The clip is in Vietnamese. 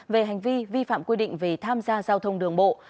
về hành vi vi phạm quy định về tham gia giao thông đường bộ